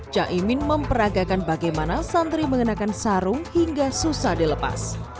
caimin memperagakan bagaimana santri mengenakan sarung hingga susah dilepas